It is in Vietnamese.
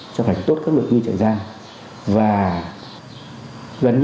cho thành tốt các lực lượng chạy giam